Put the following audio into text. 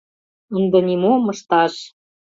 Ынде нимом ышташ!